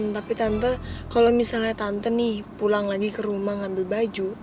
tapi tante kalau misalnya tante nih pulang lagi ke rumah ngambil baju